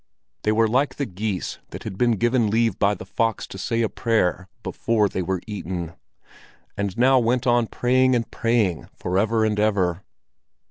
They were like the geese that had been given leave by the fox to say a prayer before they were eaten, and now went on praying and praying forever and ever.